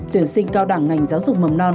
tuyển sinh cao đẳng ngành giáo dục mầm non